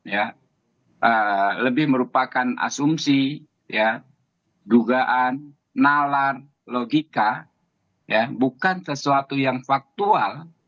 ya lebih merupakan asumsi ya dugaan nalar logika bukan sesuatu yang faktual